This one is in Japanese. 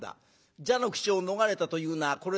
蛇の口を逃れたというのはこれでしょう。